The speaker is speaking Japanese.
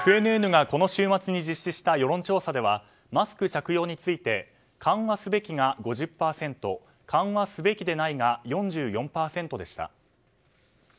ＦＮＮがこの週末に実施した世論調査ではマスク着用について緩和すべきが５０％緩和すべきでないが４４％でした。